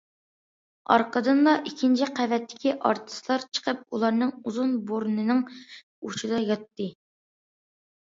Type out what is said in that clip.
ئارقىدىنلا ئىككىنچى قەۋەتتىكى ئارتىسلار چىقىپ ئۇلارنىڭ ئۇزۇن بۇرنىنىڭ ئۇچىدا ياتتى.